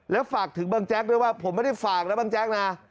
แล้วฝากถึงบางแจ๊กด้วยว่าผมไม่ได้ฝากนะบางแจ๊กนะ